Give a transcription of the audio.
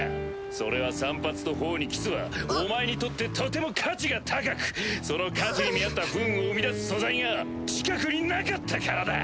それは散髪と頬にキスはお前にとってとても価値が高くその価値に見合った不運を生み出す素材が近くになかったからだ！